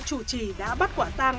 chủ trì đã bắt quả tàng